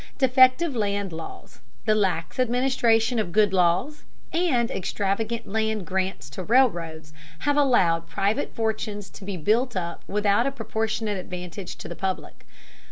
Defective land laws, the lax administration of good laws, and extravagant land grants to railroads have allowed private fortunes to be built up without a proportionate advantage to the public.